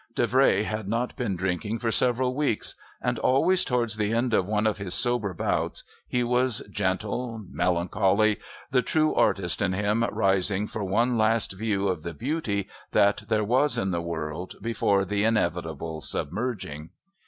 Davray had not been drinking for several weeks; and always towards the end of one of his sober bouts he was gentle, melancholy, the true artist in him rising for one last view of the beauty that there was in the world before the inevitable submerging.